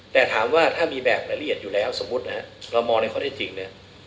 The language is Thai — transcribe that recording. แต่ถามว่าถ้ามีแบบละเอียดอยู่แล้วสมมุตินะเรามองในข้อได้จริงนะ